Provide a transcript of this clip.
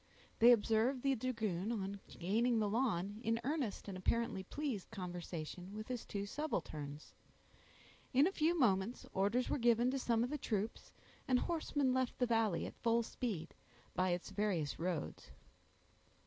They observed the dragoon, on gaining the lawn, in earnest and apparently pleased conversation with his two subalterns. In a few moments orders were given to some of the troops, and horsemen left the valley, at full speed, by its various roads.